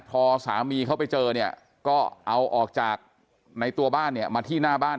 พอสามีเขาไปเจอก็เอาออกจากในตัวบ้านมาที่หน้าบ้าน